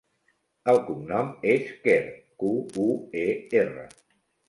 El cognom és Quer: cu, u, e, erra.